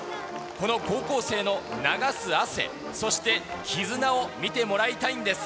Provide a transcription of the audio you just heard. この高校生の流す汗、そして絆を見てもらいたいんです。